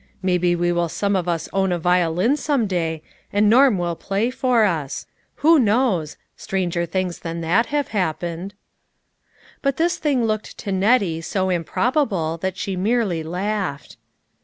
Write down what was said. " Maybe we will some of us own a violin some day, and Norm will play it for us. Who knows? Stranger things than that have hap pened." But this thing looked to Nettie so improbable that she merely laughed.